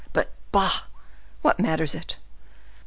But, bah! what matters it!